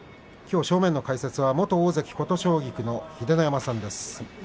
正面の解説は元大関琴奨菊の秀ノ山さんです。